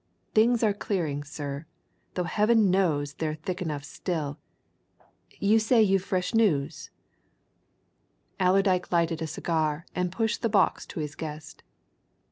things are clearing, sir, though Heaven knows they're thick enough still. You say you've fresh news!" Allerdyke lighted a cigar and pushed the box to his guest.